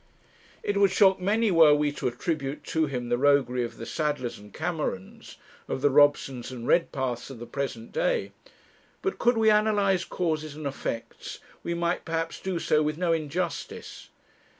It would shock many were we to attribute to him the roguery of the Sadleirs and Camerons, of the Robsons and Redpaths of the present day; but could we analyse causes and effects, we might perhaps do so with no injustice.